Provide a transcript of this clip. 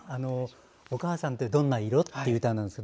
「お母さんってどんな色」という歌です。